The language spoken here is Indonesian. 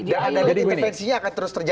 dan intervensinya akan terus terjadi